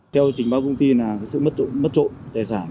theo trình báo công ty là sự mất trộm tài sản